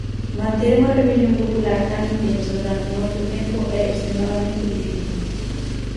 Manter unha rebelión popular tan intensa durante moito tempo é extremadamente difícil.